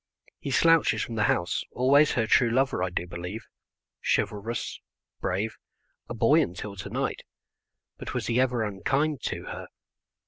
He slouches from the house, always her true lover I do believe, chivalrous, brave, a boy until to night; but was he ever unkind to her?